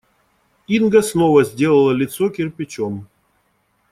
Инга снова сделала лицо кирпичом.